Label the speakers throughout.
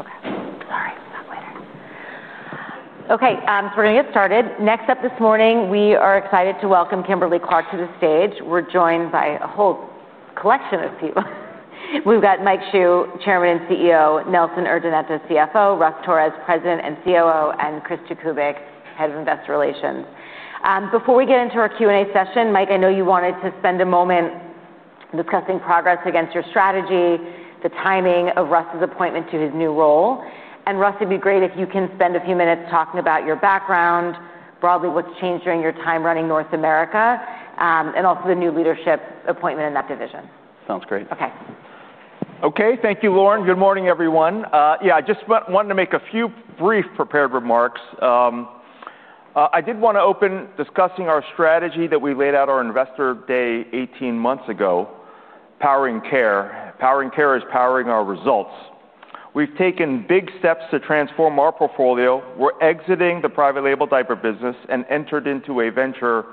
Speaker 1: Okay. All right. Okay. We are going to get started. Next up this morning, we are excited to welcome Kimberly-Clark to the stage. We are joined by a whole collection of people. We have Mike Hsu, Chairman and CEO, Nelson Urdaneta, CFO, Russ Torres, President and COO, and Chris Jakubik, Head of Investor Relations. Before we get into our Q&A session, Mike, I know you wanted to spend a moment discussing progress against your strategy, the timing of Russ's appointment to his new role. Russ, it would be great if you can spend a few minutes talking about your background, broadly what's changed during your time running North America, and also the new leadership appointment in that division.
Speaker 2: Sounds great.
Speaker 1: Okay.
Speaker 3: Okay. Thank you, Lauren. Good morning, everyone. I just wanted to make a few brief prepared remarks. I did want to open discussing our strategy that we laid out at our Investor Day, 18 months ago, Powering Care. Powering Care is powering our results. We've taken big steps to transform our portfolio. We're exiting the private label diaper business and entered into a venture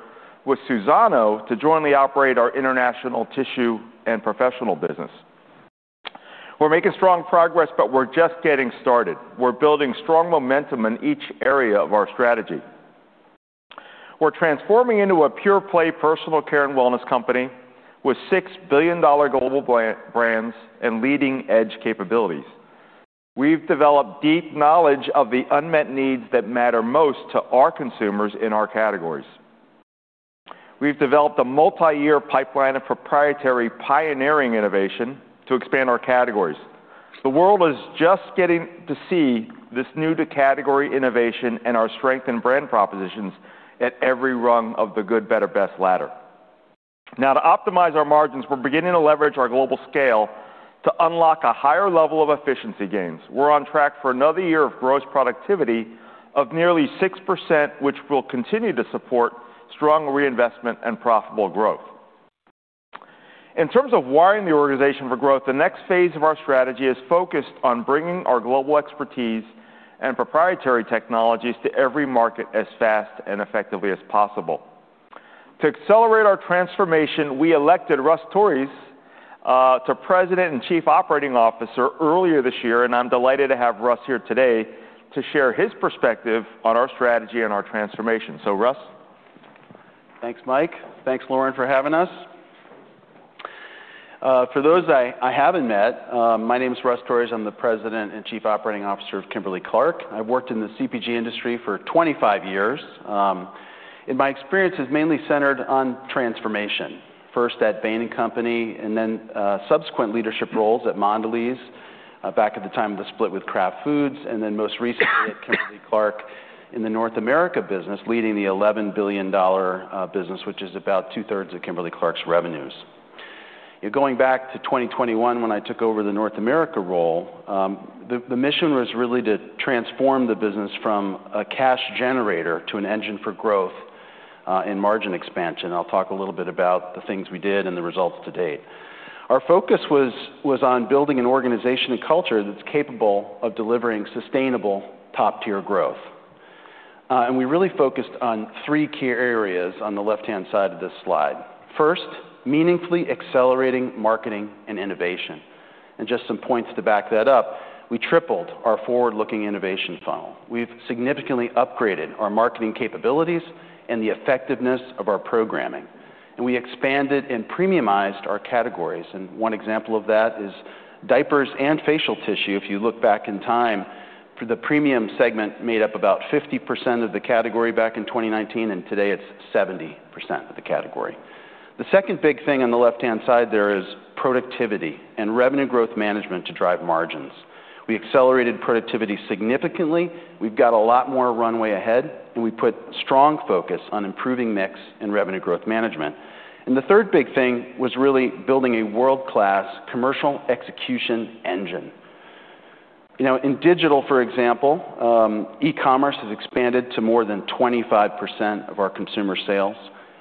Speaker 3: with Suzano to jointly operate our international tissue and professional business. We're making strong progress, but we're just getting started. We're building strong momentum in each area of our strategy. We're transforming into a pure-play personal care and wellness company with $6 billion global brands and leading-edge capabilities. We've developed deep knowledge of the unmet needs that matter most to our consumers in our categories. We've developed a multi-year pipeline of proprietary pioneering innovation to expand our categories. The world is just getting to see this new category innovation and our strength in brand propositions at every rung of the Good, Better, Best ladder. Now, to optimize our margins, we're beginning to leverage our global scale to unlock a higher level of efficiency gains. We're on track for another year of gross productivity of nearly 6%, which will continue to support strong reinvestment and profitable growth. In terms of wiring the organization for growth, the next phase of our strategy is focused on bringing our global expertise and proprietary technologies to every market as fast and effectively as possible. To accelerate our transformation, we elected Russ Torres to President and Chief Operating Officer earlier this year, and I'm delighted to have Russ here today to share his perspective on our strategy and our transformation. So, Russ.
Speaker 2: Thanks, Mike. Thanks, Lauren, for having us. For those I haven't met, my name is Russ Torres. I'm the President and Chief Operating Officer of Kimberly-Clark. I've worked in the CPG industry for 25 years, and my experience is mainly centered on transformation, first at Bain & Company and then subsequent leadership roles at Mondelez back at the time of the split with Kraft Foods, and then most recently at Kimberly-Clark in the North America business, leading the $11 billion business, which is about two-thirds of Kimberly-Clark's revenues. Going back to 2021 when I took over the North America role, the mission was really to transform the business from a cash generator to an engine for growth in margin expansion. I'll talk a little bit about the things we did and the results to date. Our focus was on building an organization and culture that's capable of delivering sustainable top-tier growth. We really focused on three key areas on the left-hand side of this slide. First, meaningfully accelerating marketing and innovation. Just some points to back that up, we tripled our forward-looking innovation funnel. We've significantly upgraded our marketing capabilities and the effectiveness of our programming. We expanded and premiumized our categories. One example of that is diapers and facial tissue. If you look back in time, the premium segment made up about 50% of the category back in 2019, and today it's 70% of the category. The second big thing on the left-hand side there is productivity and revenue growth management to drive margins. We accelerated productivity significantly. We've got a lot more runway ahead, and we put strong focus on improving mix and revenue growth management. The third big thing was really building a world-class commercial execution engine. In digital, for example, e-commerce has expanded to more than 25% of our consumer sales.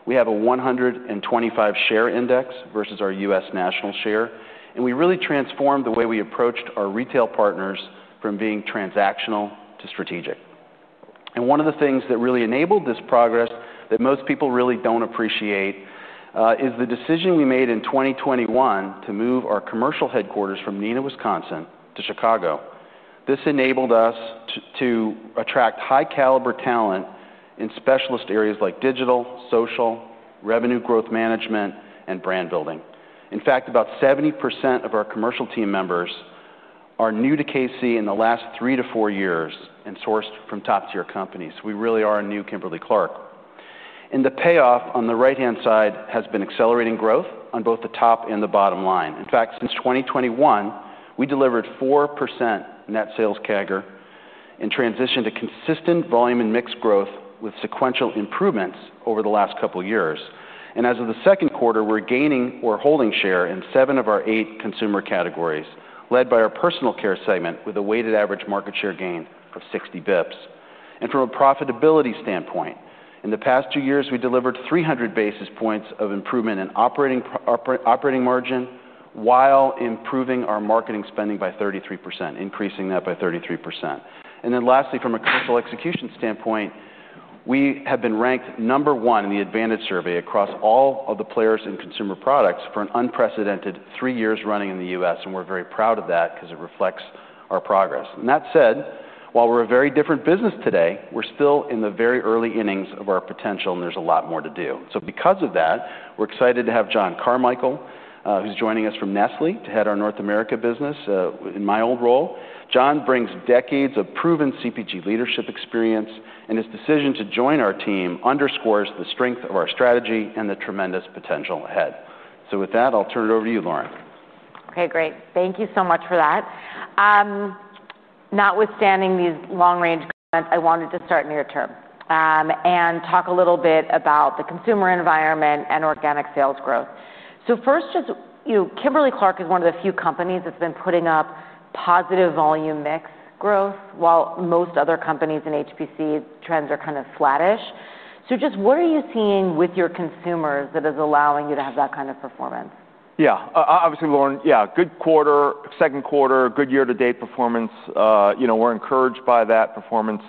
Speaker 2: We have a 125 share index versus our U.S. national share, and we really transformed the way we approached our retail partners from being transactional to strategic. One of the things that really enabled this progress that most people really don't appreciate is the decision we made in 2021 to move our commercial headquarters from Neenah, Wisconsin, to Chicago. This enabled us to attract high-caliber talent in specialist areas like digital, social, revenue growth management, and brand building. In fact, about 70% of our commercial team members are new to Kimberly-Clark in the last three to four years and sourced from top-tier companies. We really are a new Kimberly-Clark. The payoff on the right-hand side has been accelerating growth on both the top and the bottom line. In fact, since 2021, we delivered 4% net sales CAGR and transitioned to consistent volume and mix growth with sequential improvements over the last couple of years. As of the second quarter, we're gaining or holding share in seven of our eight consumer categories, led by our personal care segment with a weighted average market share gain of 60 bps. From a profitability standpoint, in the past two years, we delivered 300 basis points of improvement in operating margin while improving our marketing spending by 33%, increasing that by 33%. Lastly, from a cultural execution standpoint, we have been ranked number one in the Advantage survey across all of the players in consumer products for an unprecedented three years running in the U.S. We're very proud of that because it reflects our progress. That said, while we're a very different business today, we're still in the very early innings of our potential, and there's a lot more to do. Because of that, we're excited to have John Carmichael, who's joining us from Nestlé to head our North America business in my old role. John brings decades of proven CPG leadership experience, and his decision to join our team underscores the strength of our strategy and the tremendous potential ahead. With that, I'll turn it over to you, Lauren.
Speaker 1: Okay, great. Thank you so much for that. Not withstanding these long-range, I wanted to start near-term and talk a little bit about the consumer environment and organic sales growth. First, just, you know, Kimberly-Clark is one of the few companies that's been putting up positive volume mix growth while most other companies in HPC trends are kind of flattish. Just what are you seeing with your consumers that is allowing you to have that kind of performance?
Speaker 3: Yeah, obviously, Lauren, good quarter, second quarter, good year-to-date performance. We're encouraged by that performance.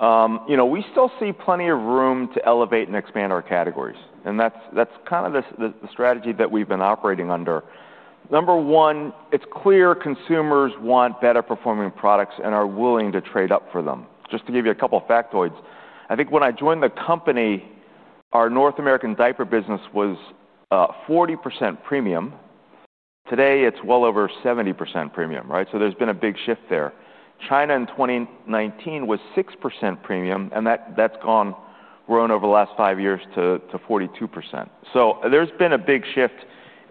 Speaker 3: We still see plenty of room to elevate and expand our categories. That's kind of the strategy that we've been operating under. Number one, it's clear consumers want better-performing products and are willing to trade up for them. Just to give you a couple of factoids, I think when I joined the company, our North American diaper business was 40% premium. Today, it's well over 70% premium, right? There's been a big shift there. China in 2019 was 6% premium, and that's grown over the last five years to 42%. There's been a big shift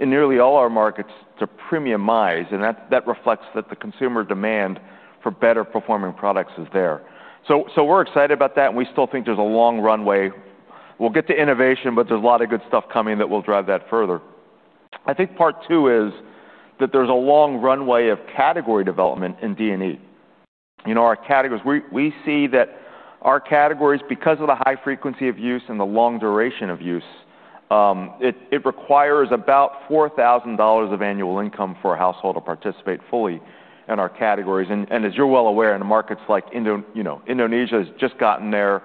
Speaker 3: in nearly all our markets to premiumize, and that reflects that the consumer demand for better-performing products is there. We're excited about that, and we still think there's a long runway. We'll get to innovation, but there's a lot of good stuff coming that will drive that further. I think part two is that there's a long runway of category development in D&E. Our categories, we see that our categories, because of the high frequency of use and the long duration of use, it requires about $4,000 of annual income for a household to participate fully in our categories. As you're well aware, in the markets like Indonesia has just gotten there,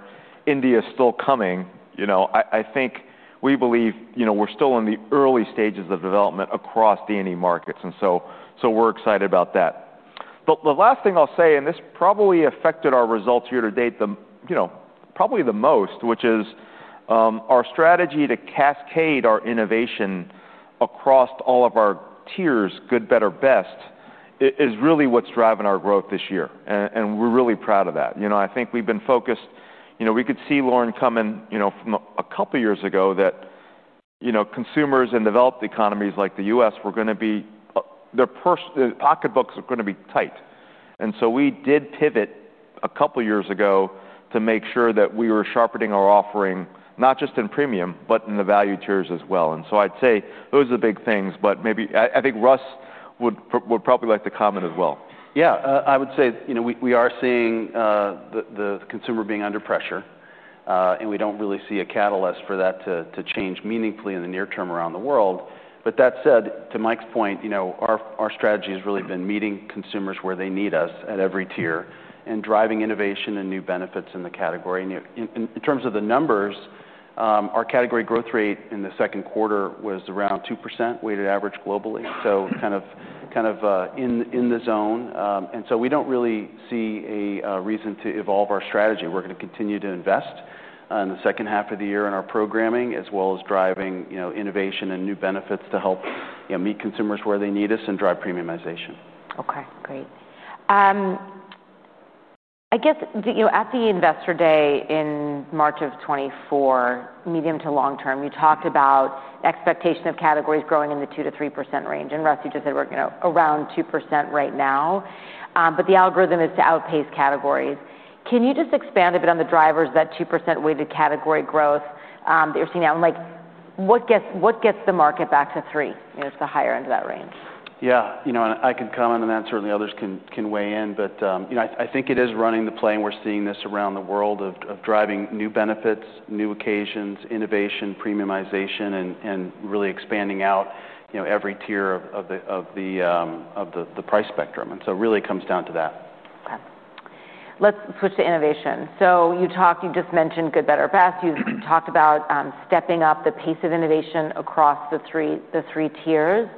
Speaker 3: India is still coming. I think we believe we're still in the early stages of development across D&E markets, and we're excited about that. The last thing I'll say, and this probably affected our results year to date probably the most, which is our strategy to cascade our innovation across all of our tiers, good, better, best, is really what's driving our growth this year, and we're really proud of that. I think we've been focused, we could see Lauren coming from a couple of years ago that consumers in developed economies like the U.S. were going to be, their pocketbooks are going to be tight. We did pivot a couple of years ago to make sure that we were sharpening our offering, not just in premium, but in the value tiers as well. I'd say those are the big things, but maybe I think Russ would probably like to comment as well.
Speaker 2: Yeah, I would say we are seeing the consumer being under pressure, and we don't really see a catalyst for that to change meaningfully in the near term around the world. That said, to Mike's point, our strategy has really been meeting consumers where they need us at every tier and driving innovation and new benefits in the category. In terms of the numbers, our category growth rate in the second quarter was around 2% weighted average globally, so kind of in the zone. We don't really see a reason to evolve our strategy. We're going to continue to invest in the second half of the year in our programming, as well as driving innovation and new benefits to help meet consumers where they need us and drive premiumization.
Speaker 1: Okay, great. I guess at the Investor Day in March of 2024, medium to long term, you talked about the expectation of categories growing in the 2% - 3% range. Russ, you just said we're around 2% right now, but the algorithm is to outpace categories. Can you just expand a bit on the drivers of that 2% weighted category growth that you're seeing now? What gets the market back to 3%, you know, it's the higher end of that range?
Speaker 2: Yeah, I can comment on that. Certainly, others can weigh in, but I think it is running the play, and we're seeing this around the world of driving new benefits, new occasions, innovation, premiumization, and really expanding out every tier of the price spectrum. It really comes down to that.
Speaker 1: Okay. Let's switch to innovation. You just mentioned good, better, best. You've talked about stepping up the pace of innovation across the three tiers,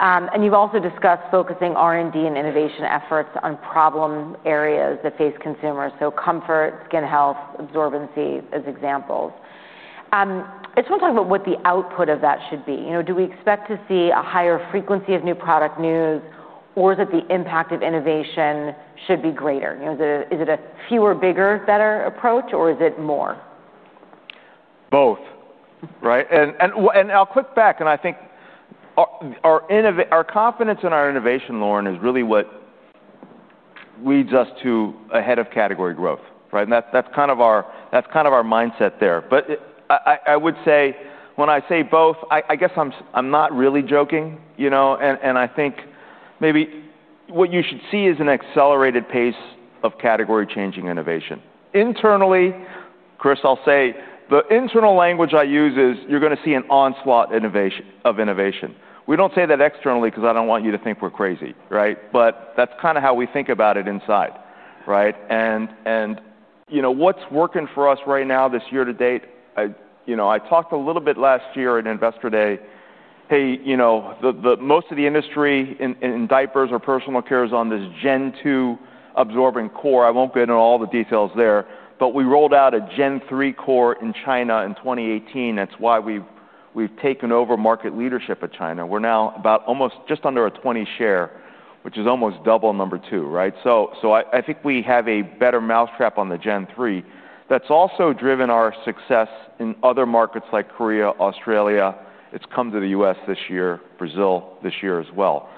Speaker 1: and you've also discussed focusing R&D and innovation efforts on problem areas that face consumers, like comfort, skin health, and absorbency as examples. I just want to talk about what the output of that should be. Do we expect to see a higher frequency of new product news, or should the impact of innovation be greater? Is it a fewer, bigger, better approach, or is it more?
Speaker 3: Both, right? I'll click back, and I think our confidence in our innovation, Lauren, is really what leads us to ahead of category growth, right? That's kind of our mindset there. When I say both, I guess I'm not really joking, you know, and I think maybe what you should see is an accelerated pace of category-changing innovation. Internally, Chris, I'll say the internal language I use is you're going to see an onslaught of innovation. We don't say that externally because I don't want you to think we're crazy, right? That's kind of how we think about it inside, right? You know, what's working for us right now this year to date, I talked a little bit last year at Investor Day, hey, most of the industry in diapers or personal care is on this Gen 2 absorbent core. I won't get into all the details there, but we rolled out a Gen 3 core in China in 2018. That's why we've taken over market leadership at China. We're now about almost just under a 20% share, which is almost double number two, right? I think we have a better mousetrap on the Gen 3 that's also driven our success in other markets like Korea, Australia. It's come to the U.S. this year, Brazil this year as well.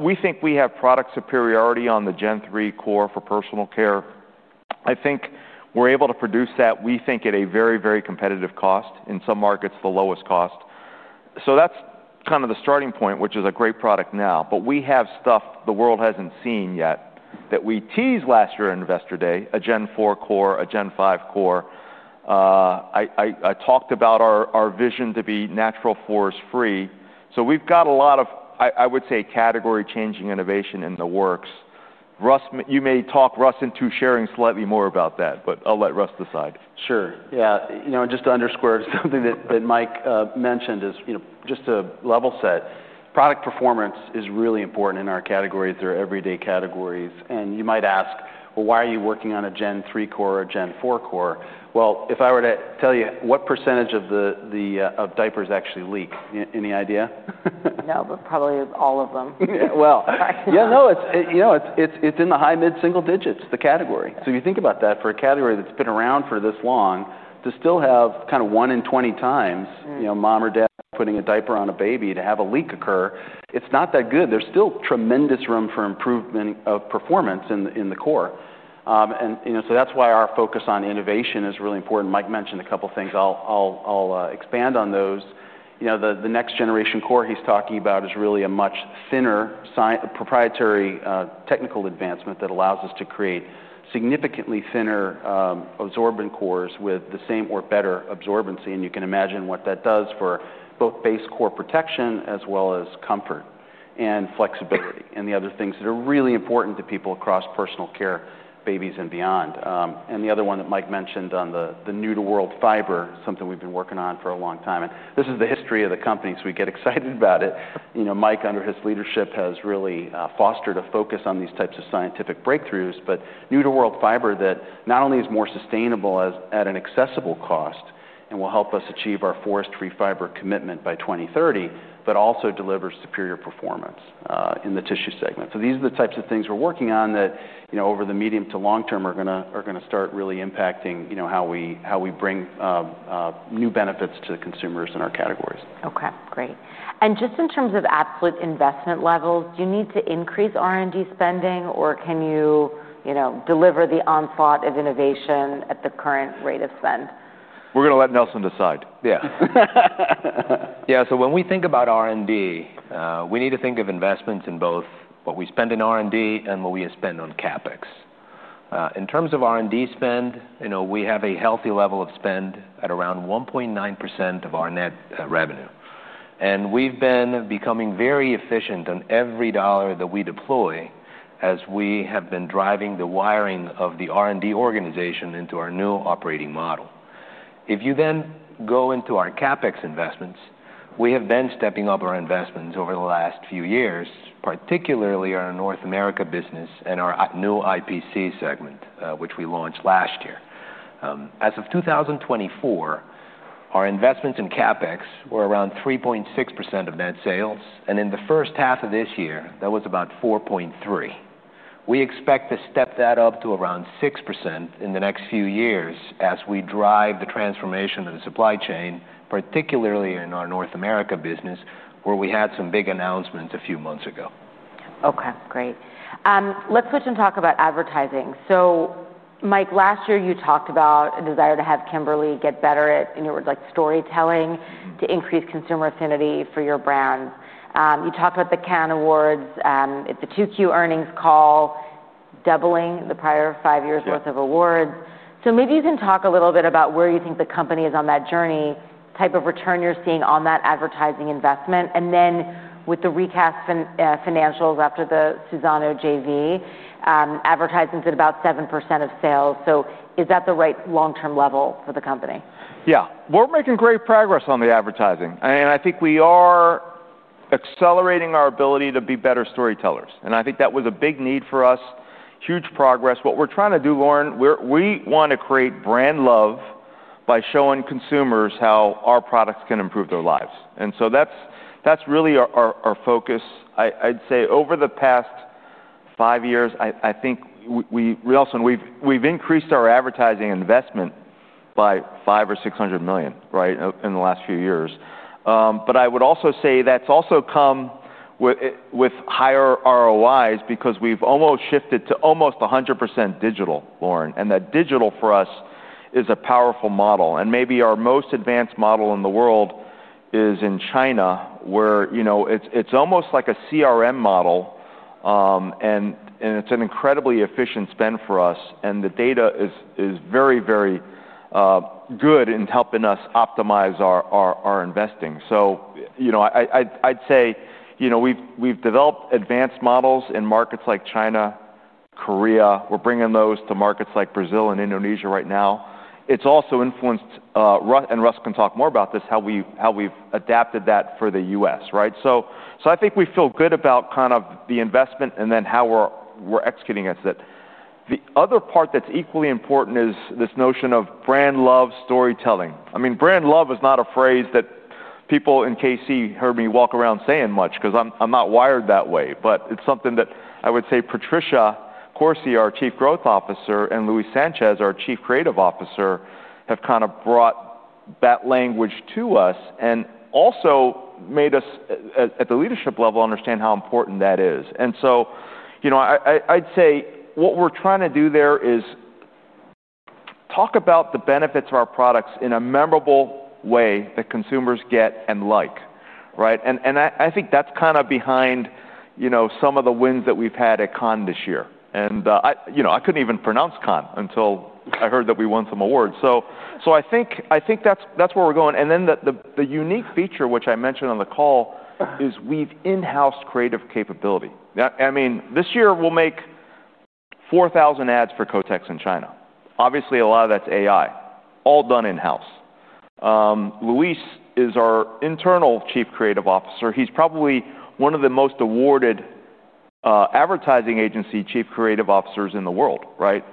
Speaker 3: We think we have product superiority on the Gen 3 core for personal care. I think we're able to produce that, we think, at a very, very competitive cost, in some markets the lowest cost. That's kind of the starting point, which is a great product now. We have stuff the world hasn't seen yet that we teased last year at Investor Day, a Gen 4 core, a Gen 5 core. I talked about our vision to be natural forest-free. We've got a lot of, I would say, category-changing innovation in the works. Russ, you may talk Russ into sharing slightly more about that, but I'll let Russ decide.
Speaker 2: Sure. Yeah, you know, just to underscore something that Mike mentioned, just to level set, product performance is really important in our categories. They're everyday categories. You might ask, why are you working on a Gen 3 core or a Gen 4 core? If I were to tell you what percentage of the diapers actually leak, any idea?
Speaker 1: No, but probably all of them.
Speaker 2: Yeah, no, it's in the high-mid single digits, the category. You think about that for a category that's been around for this long, to still have kind of one in 20x, you know, mom or dad putting a diaper on a baby to have a leak occur, it's not that good. There's still tremendous room for improvement of performance in the core. That's why our focus on innovation is really important. Mike mentioned a couple of things. I'll expand on those. The next generation core he's talking about is really a much thinner proprietary technical advancement that allows us to create significantly thinner absorbent cores with the same or better absorbency. You can imagine what that does for both base core protection as well as comfort and flexibility and the other things that are really important to people across personal care, babies, and beyond. The other one that Mike mentioned on the new-to-world fiber, something we've been working on for a long time. This is the history of the company, so we get excited about it. Mike, under his leadership, has really fostered a focus on these types of scientific breakthroughs, but new-to-world fiber that not only is more sustainable at an accessible cost and will help us achieve our forest-free fiber commitment by 2030, but also delivers superior performance in the tissue segment. These are the types of things we're working on that, over the medium to long term, are going to start really impacting how we bring new benefits to the consumers in our categories.
Speaker 1: Okay, great. In terms of absolute investment levels, do you need to increase R&D spending or can you deliver the onslaught of innovation at the current rate of spend?
Speaker 3: We're going to let Nelson decide.
Speaker 4: Yeah, so when we think about R&D, we need to think of investments in both what we spend in R&D and what we spend on CapEx. In terms of R&D spend, we have a healthy level of spend at around 1.9% of our net revenue. We've been becoming very efficient on every dollar that we deploy as we have been driving the wiring of the R&D organization into our new operating model. If you then go into our CapEx investments, we have been stepping up our investments over the last few years, particularly our North America business and our new IPC segment, which we launched last year. As of 2024, our investments in CapEx were around 3.6% of net sales, and in the first half of this year, that was about 4.3%. We expect to step that up to around 6% in the next few years as we drive the transformation of the supply chain, particularly in our North America business, where we had some big announcements a few months ago.
Speaker 1: Okay, great. Let's switch and talk about advertising. Mike, last year you talked about a desire to have Kimberly-Clark get better at, in your words, like storytelling to increase consumer affinity for your brand. You talked about the Cannes Awards, the 2Q earnings call doubling the prior five years' worth of awards. Maybe you can talk a little bit about where you think the company is on that journey, the type of return you're seeing on that advertising investment, and then with the recast financials after the Suzano JV, advertising's at about 7% of sales. Is that the right long-term level for the company?
Speaker 3: Yeah, we're making great progress on the advertising. I think we are accelerating our ability to be better storytellers. I think that was a big need for us, huge progress. What we're trying to do, Lauren, we want to create brand love by showing consumers how our products can improve their lives. That's really our focus. I'd say over the past five years, I think we also, and we've increased our advertising investment by $500 or $600 million, right, in the last few years. I would also say that's also come with higher ROIs because we've almost shifted to almost 100% digital, Lauren. That digital for us is a powerful model. Maybe our most advanced model in the world is in China, where, you know, it's almost like a CRM model. It's an incredibly efficient spend for us. The data is very, very good in helping us optimize our investing. I'd say we've developed advanced models in markets like China, Korea. We're bringing those to markets like Brazil and Indonesia right now. It's also influenced, and Russ can talk more about this, how we've adapted that for the U.S., right? I think we feel good about kind of the investment and then how we're executing it. The other part that's equally important is this notion of brand love storytelling. I mean, brand love is not a phrase that people in Kimberly-Clark heard me walk around saying much because I'm not wired that way. It's something that I would say Patricia Corsi, our Chief Growth Officer, and Luiz Sanches, our Chief Creative Officer, have kind of brought that language to us and also made us at the leadership level understand how important that is. I'd say what we're trying to do there is talk about the benefits of our products in a memorable way that consumers get and like, right? I think that's kind of behind some of the wins that we've had at Cannes this year. I couldn't even pronounce Cannes until I heard that we won some awards. I think that's where we're going. The unique feature, which I mentioned on the call, is we've in-house creative capability. This year we'll make 4,000 ads for Kotex in China. Obviously, a lot of that's AI, all done in-house. Luiz is our internal Chief Creative Officer. He's probably one of the most awarded advertising agency Chief Creative Officers in the world, right?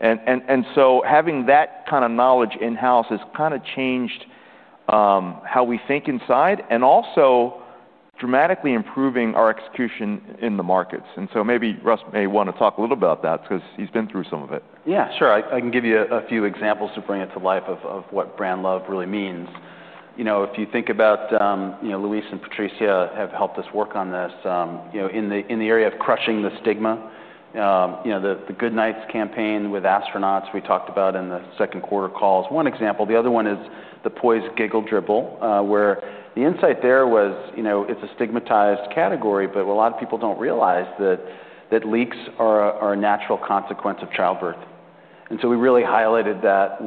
Speaker 3: Having that kind of knowledge in-house has kind of changed how we think inside and also dramatically improving our execution in the markets. Maybe Russ may want to talk a little bit about that because he's been through some of it.
Speaker 2: Yeah, sure. I can give you a few examples to bring it to life of what brand love really means. If you think about it, Luiz and Patricia have helped us work on this in the area of crushing the stigma. The GoodNites campaign with astronauts we talked about in the second quarter call is one example. The other one is the Poise's, Giggle Dribble, where the insight there was it's a stigmatized category, but a lot of people don't realize that leaks are a natural consequence of childbirth. We really highlighted that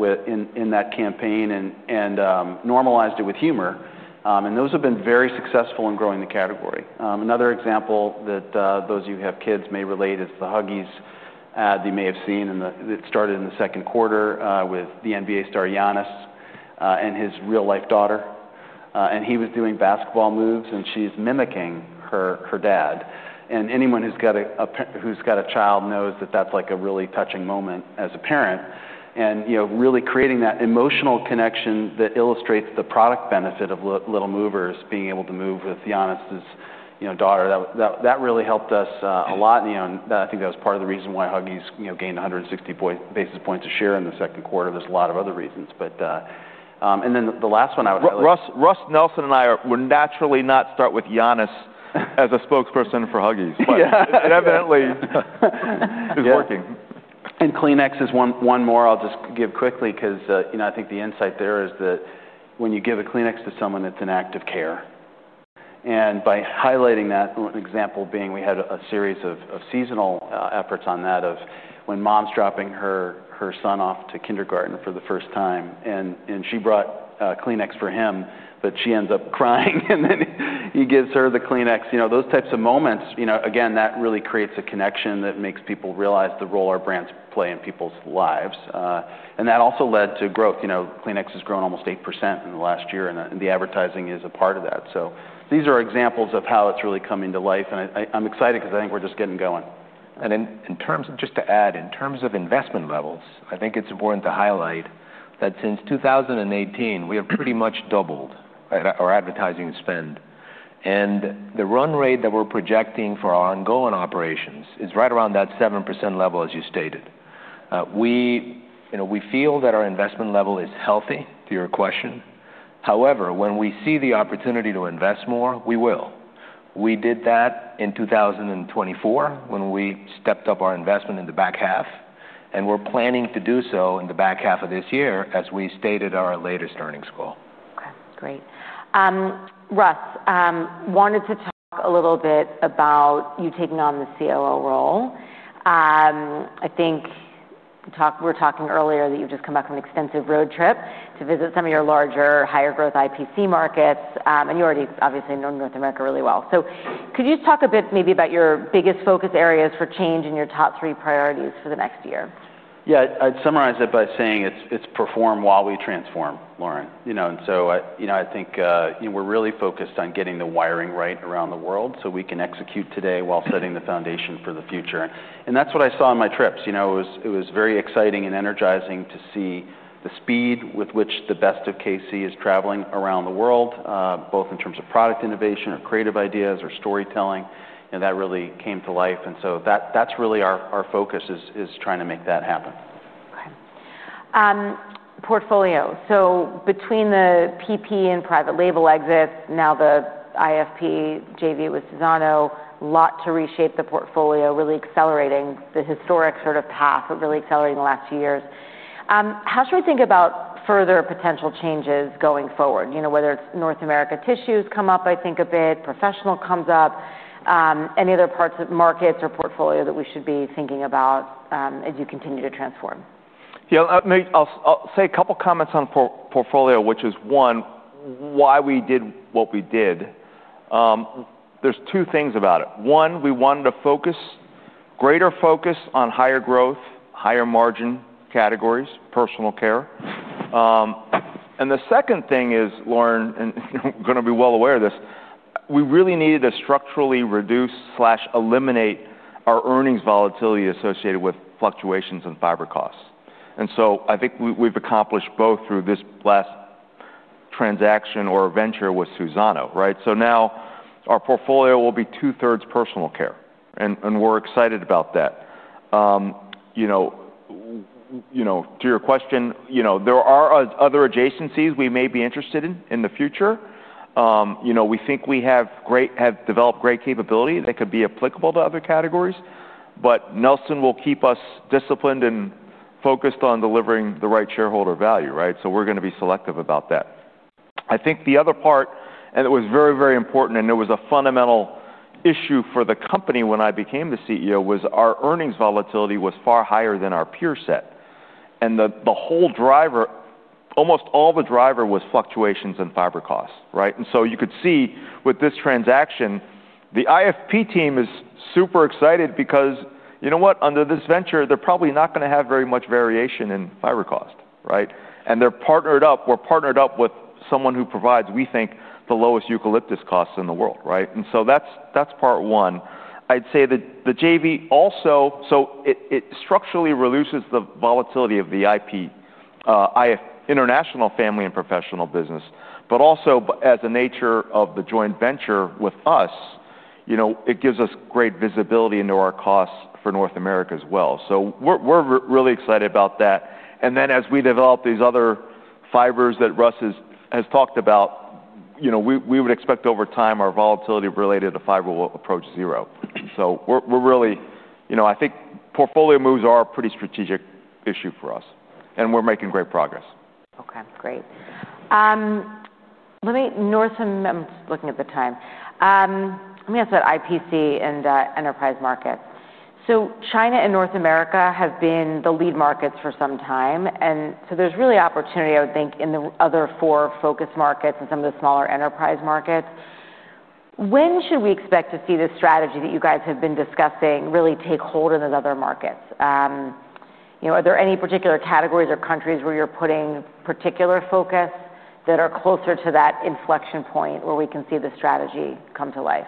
Speaker 2: in that campaign and normalized it with humor. Those have been very successful in growing the category. Another example that those of you who have kids may relate to is the Huggies ad they may have seen. It started in the second quarter with the NBA star Giannis and his real-life daughter. He was doing basketball moves, and she's mimicking her dad. Anyone who's got a child knows that that's like a really touching moment as a parent. Really creating that emotional connection that illustrates the product benefit of Little Movers being able to move with Giannis' daughter really helped us a lot. I think that was part of the reason why Huggies gained 160 basis points of share in the second quarter. There are a lot of other reasons. The last one I would highlight.
Speaker 3: Russ, Nelson, and I would naturally not start with Giannis as a spokesperson for Huggies, but it evidently is working.
Speaker 2: Kleenex is one more I'll just give quickly because, you know, I think the insight there is that when you give a Kleenex to someone, it's an act of care. By highlighting that, an example being we had a series of seasonal efforts on that of when mom's dropping her son off to kindergarten for the first time, and she brought Kleenex for him, but she ends up crying, and then he gives her the Kleenex. Those types of moments, you know, again, that really creates a connection that makes people realize the role our brands play in people's lives. That also led to growth. Kleenex has grown almost 8% in the last year, and the advertising is a part of that. These are examples of how it's really coming to life. I'm excited because I think we're just getting going.
Speaker 3: Just to add, in terms of investment levels, I think it's important to highlight that since 2018, we have pretty much doubled our advertising spend. The run rate that we're projecting for our ongoing operations is right around that 7% level, as you stated. We feel that our investment level is healthy to your question. However, when we see the opportunity to invest more, we will. We did that in 2024 when we stepped up our investment in the back half, and we're planning to do so in the back half of this year as we stated our latest earnings goal.
Speaker 1: Okay, great. Russ, wanted to talk a little bit about you taking on the COO role. I think we were talking earlier that you've just come back from an extensive road trip to visit some of your larger, higher growth IPC markets, and you already obviously know North America really well. Could you just talk a bit maybe about your biggest focus areas for change in your top three priorities for the next year?
Speaker 2: Yeah, I'd summarize it by saying it's perform while we transform, Lauren. I think we're really focused on getting the wiring right around the world so we can execute today while setting the foundation for the future. That's what I saw on my trips. It was very exciting and energizing to see the speed with which the best of Kimberly-Clark is traveling around the world, both in terms of product innovation or creative ideas or storytelling, and that really came to life. That's really our focus, trying to make that happen.
Speaker 1: Okay. Portfolio. Between the PP and private label exit, now the IFP JV with Suzano, a lot to reshape the portfolio, really accelerating the historic sort of path, but really accelerating the last two years. How should we think about further potential changes going forward? Whether it's North America tissues come up, I think a bit, professional comes up, any other parts of markets or portfolio that we should be thinking about as you continue to transform?
Speaker 3: I'll say a couple of comments on the portfolio, which is one, why we did what we did. There's two things about it. One, we wanted to focus greater focus on higher growth, higher margin categories, personal care. The second thing is, Lauren, and you're going to be well aware of this, we really needed to structurally reduce slash eliminate our earnings volatility associated with fluctuations in fiber costs. I think we've accomplished both through this last transaction or venture with Suzano, right? Now our portfolio will be two-thirds personal care, and we're excited about that. To your question, there are other adjacencies we may be interested in in the future. We think we have developed great capability that could be applicable to other categories, but Nelson will keep us disciplined and focused on delivering the right shareholder value, right? We're going to be selective about that. I think the other part, and it was very, very important, and it was a fundamental issue for the company when I became the CEO, was our earnings volatility was far higher than our peer set. The whole driver, almost all the driver was fluctuations in fiber costs, right? You could see with this transaction, the IFP team is super excited because, you know what, under this venture, they're probably not going to have very much variation in fiber costs, right? They're partnered up, we're partnered up with someone who provides, we think, the lowest eucalyptus costs in the world, right? That's part one. I'd say that the JV also structurally reduces the volatility of the IFP, International Family and Professional Business, but also as a nature of the joint venture with us, it gives us great visibility into our costs for North America as well. We're really excited about that. As we develop these other fibers that Russ has talked about, we would expect over time our volatility related to fiber will approach zero. We're really, I think portfolio moves are a pretty strategic issue for us, and we're making great progress.
Speaker 1: Okay, great. Let me ask about IPC and enterprise market. China and North America have been the lead markets for some time, and there's really opportunity, I would think, in the other four focus markets and some of the smaller enterprise markets. When should we expect to see this strategy that you guys have been discussing really take hold in those other markets? Are there any particular categories or countries where you're putting particular focus that are closer to that inflection point where we can see the strategy come to life?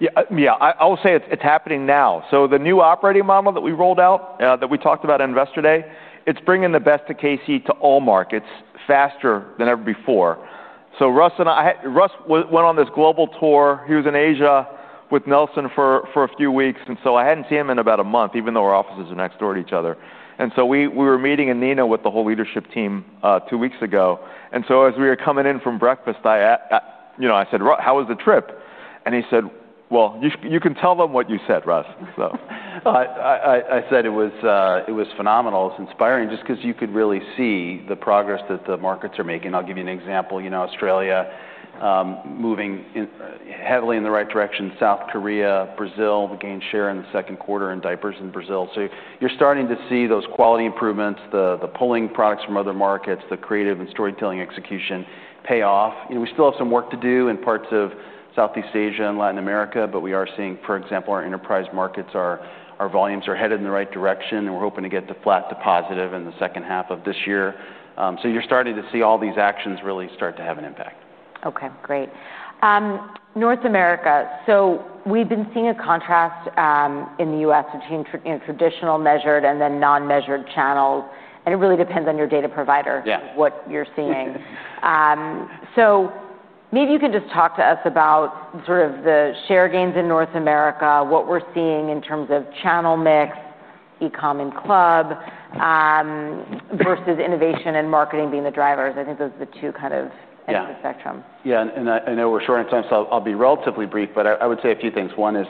Speaker 3: Yeah, I'll say it's happening now. The new operating model that we rolled out, that we talked about on Investor Day, is bringing the best of Kimberly-Clark to all markets faster than ever before. Russ and I, Russ went on this global tour. He was in Asia with Nelson for a few weeks, and I hadn't seen him in about a month, even though our offices are next door to each other. We were meeting in Neenah with the whole leadership team two weeks ago. As we were coming in from breakfast, I said, "Russ, how was the trip?" He said, "You can tell them what you said, Russ.
Speaker 2: I said it was phenomenal. It was inspiring just because you could really see the progress that the markets are making. I'll give you an example. You know, Australia moving heavily in the right direction. South Korea, Brazil, we gained share in the second quarter in diapers in Brazil. You're starting to see those quality improvements, the pulling products from other markets, the creative and storytelling execution pay off. We still have some work to do in parts of Southeast Asia and Latin America, but we are seeing, for example, our enterprise markets, our volumes are headed in the right direction, and we're hoping to get to flat to positive in the second half of this year. You're starting to see all these actions really start to have an impact.
Speaker 1: Okay, great. North America. We've been seeing a contrast in the U.S. between traditional measured and then non-measured channel, and it really depends on your data provider and what you're seeing. Maybe you can just talk to us about sort of the share gains in North America, what we're seeing in terms of channel mix, e-comm and club versus innovation and marketing being the drivers. I think those are the two kind of ends of the spectrum.
Speaker 2: Yeah, and I know we're short on time, so I'll be relatively brief, but I would say a few things. One is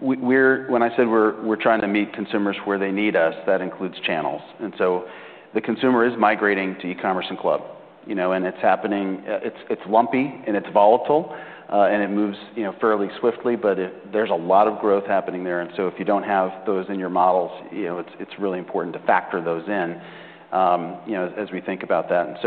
Speaker 2: when I said we're trying to meet consumers where they need us, that includes channels. The consumer is migrating to e-commerce and club, and it's happening, it's lumpy and it's volatile, and it moves fairly swiftly, but there's a lot of growth happening there. If you don't have those in your models, it's really important to factor those in as we think about that.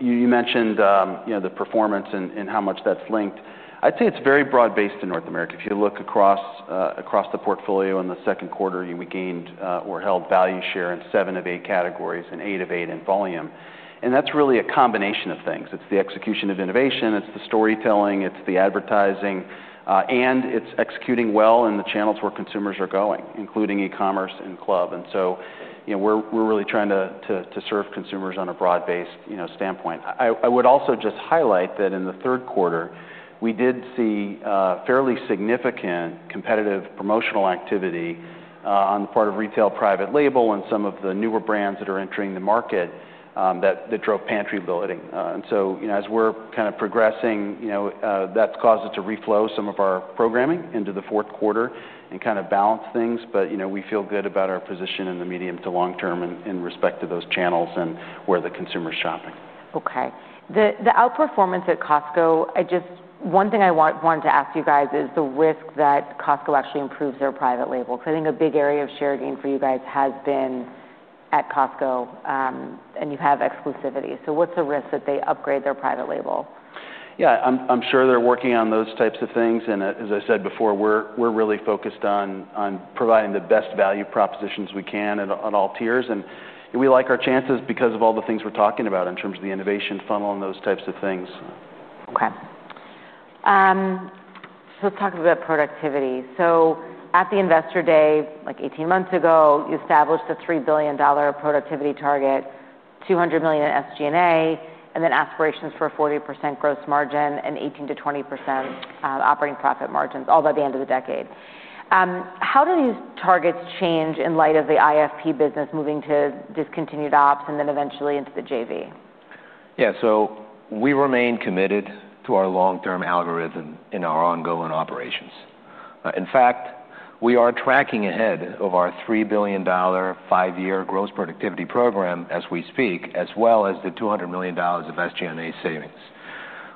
Speaker 2: You mentioned the performance and how much that's linked. I'd say it's very broad-based in North America. If you look across the portfolio in the second quarter, we gained or held value share in seven of eight categories and eight of eight in volume. That's really a combination of things. It's the execution of innovation, it's the storytelling, it's the advertising, and it's executing well in the channels where consumers are going, including e-commerce and club. We're really trying to serve consumers on a broad-based standpoint. I would also just highlight that in the third quarter, we did see fairly significant competitive promotional activity on the part of retail private label and some of the newer brands that are entering the market that drove pantry loading. As we're kind of progressing, that's caused us to reflow some of our programming into the fourth quarter and kind of balance things. We feel good about our position in the medium to long term in respect to those channels and where the consumer is shopping.
Speaker 1: Okay. The outperformance at Costco, I just, one thing I wanted to ask you guys is the risk that Costco actually improves their private label. I think a big area of share gain for you guys has been at Costco, and you have exclusivity. What's the risk that they upgrade their private label?
Speaker 2: I'm sure they're working on those types of things. As I said before, we're really focused on providing the best value propositions we can at all tiers. We like our chances because of all the things we're talking about in terms of the innovation funnel and those types of things.
Speaker 1: Okay. Let's talk about productivity. At the Investor Day, like 18 months ago, you established a $3 billion productivity target, $200 million in SG&A, and then aspirations for a 40% gross margin and 18% - 20% operating profit margins, all by the end of the decade. How do these targets change in light of the IFP business moving to discontinued ops and then eventually into the JV?
Speaker 2: Yeah, so we remain committed to our long-term algorithm in our ongoing operations. In fact, we are tracking ahead of our $3 billion five-year gross productivity program as we speak, as well as the $200 million of SG&A savings.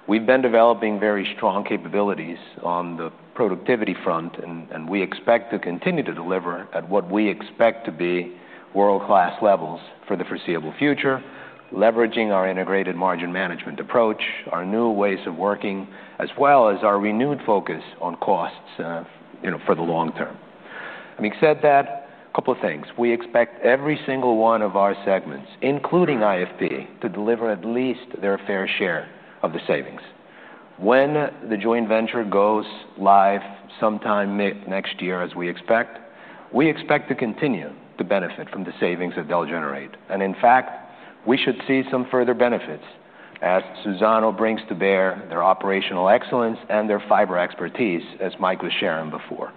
Speaker 2: We've been developing very strong capabilities on the productivity front, and we expect to continue to deliver at what we expect to be world-class levels for the foreseeable future, leveraging our integrated margin management approach, our new ways of working, as well as our renewed focus on costs for the long term. Having said that, a couple of things. We expect every single one of our segments, including IFP, to deliver at least their fair share of the savings. When the joint venture goes live sometime mid-next year, as we expect, we expect to continue to benefit from the savings that they'll generate. In fact, we should see some further benefits as Suzano brings to bear their operational excellence and their fiber expertise, as Mike was sharing before.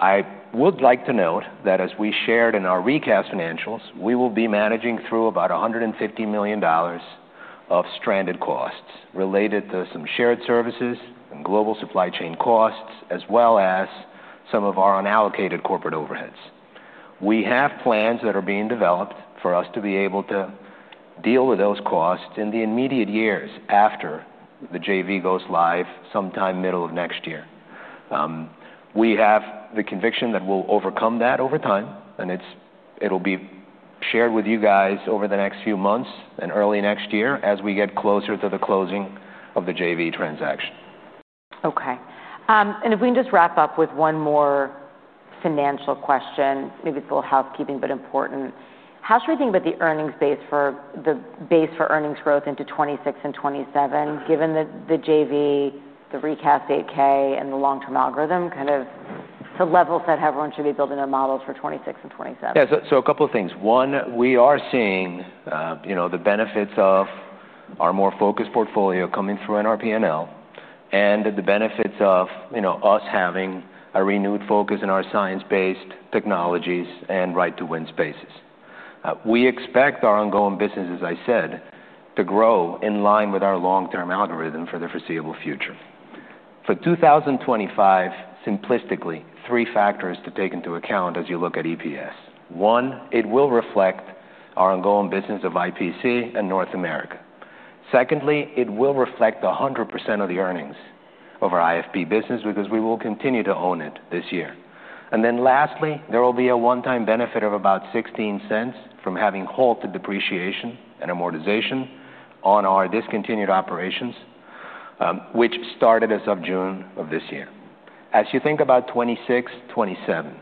Speaker 2: I would like to note that as we shared in our recast financials, we will be managing through about $150 million of stranded costs related to some shared services and global supply chain costs, as well as some of our unallocated corporate overheads. We have plans that are being developed for us to be able to deal with those costs in the immediate years after the JV goes live sometime middle of next year. We have the conviction that we'll overcome that over time, and it'll be shared with you guys over the next few months and early next year as we get closer to the closing of the JV transaction.
Speaker 1: Okay. If we can just wrap up with one more financial question, maybe it's a little housekeeping, but important. How should we think about the earnings base for the base for earnings growth into 2026 and 2027, given the joint venture, the recast 8K, and the long-term algorithm, kind of to level set how everyone should be building their models for 2026 and 2027?
Speaker 2: Yeah, so a couple of things. One, we are seeing the benefits of our more focused portfolio coming through NRP&L and the benefits of us having a renewed focus in our science-based technologies and right-to-win spaces. We expect our ongoing business, as I said, to grow in line with our long-term algorithm for the foreseeable future. For 2025, simplistically, three factors to take into account as you look at EPS. One, it will reflect our ongoing business of IPC and North America. Secondly, it will reflect 100% of the earnings of our IFP business because we will continue to own it this year. Lastly, there will be a one-time benefit of about $0.16 from having halted depreciation and amortization on our discontinued operations, which started as of June of this year. As you think about 2026, 2027,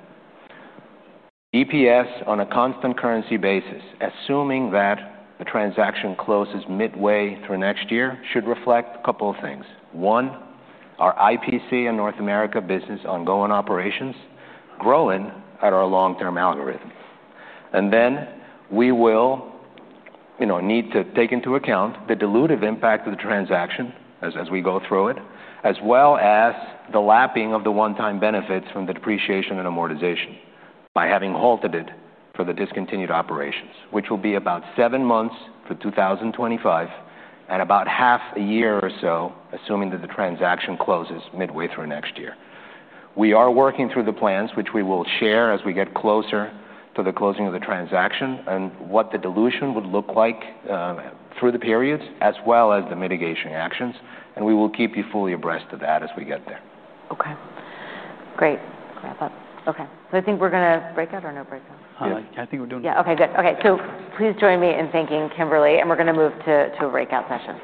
Speaker 2: EPS on a constant currency basis, assuming that the transaction closes midway through next year, should reflect a couple of things. One, our IPC and North America business ongoing operations growing at our long-term algorithm. We will need to take into account the dilutive impact of the transaction as we go through it, as well as the lapping of the one-time benefits from the depreciation and amortization by having halted it for the discontinued operations, which will be about seven months for 2025 and about half a year or so, assuming that the transaction closes midway through next year. We are working through the plans, which we will share as we get closer to the closing of the transaction and what the dilution would look like through the periods, as well as the mitigation actions. We will keep you fully abreast of that as we get there.
Speaker 1: Okay. Great. Glad that. Okay. I think we're going to break out or no break out?
Speaker 2: Yeah, I think we're doing it.
Speaker 1: Okay. Please join me in thanking Kimberly-Clark, and we're going to move to a breakout session.